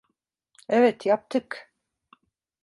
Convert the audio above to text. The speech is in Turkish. Evet, yaptık.